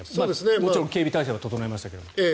もちろん警備態勢は整えましたけど。